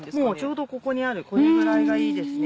ちょうどここにあるこれぐらいがいいですね。